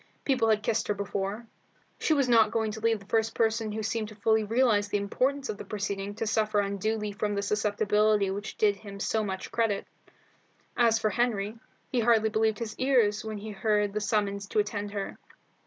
People had kissed her before. She was not going to leave the first person who had seemed to fully realize the importance of the proceeding to suffer unduly from a susceptibility which did him so much credit. As for Henry, he hardly believed his ears when he heard the summons to attend her.